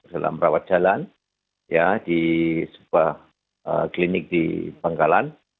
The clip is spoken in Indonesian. dalam rawat jalan di sebuah klinik di panggalan